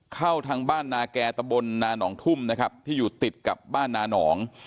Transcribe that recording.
เข้าทางบ้านนาแก่ตะบนนาหนองทุ่มนะครับที่อยู่ติดกับบ้านนาหนอง